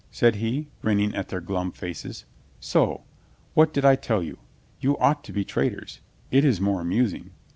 said he, grinning at their glum faces. "So. What did I tell you? You ought to be traitors. It is more amusing."